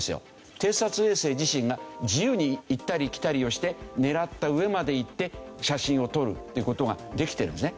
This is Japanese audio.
偵察衛星自身が自由に行ったり来たりをして狙った上まで行って写真を撮るっていう事ができてるんですね。